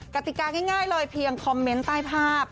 กติกาง่ายเลยเพียงคอมเมนต์ใต้ภาพ